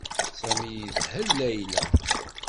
Sami yedhel Layla.